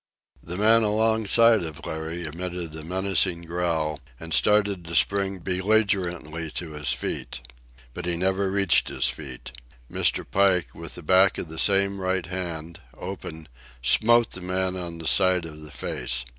The man alongside of Larry emitted a menacing growl and started to spring belligerently to his feet. But he never reached his feet. Mr. Pike, with the back of same right hand, open, smote the man on the side of the face.